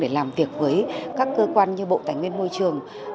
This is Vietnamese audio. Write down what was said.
để làm việc với các cơ quan như bộ tài nguyên môi trường